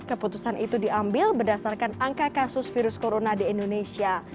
keputusan itu diambil berdasarkan angka kasus virus corona di indonesia